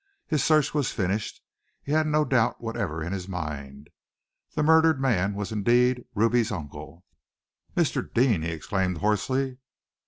His search was finished. He had no doubt whatever in his mind. The murdered man was indeed Ruby's uncle! "Mr. Deane!" he exclaimed hoarsely.